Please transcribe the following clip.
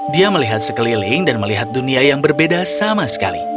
dia melihat sekeliling dan melihat dunia yang berbeda sama sekali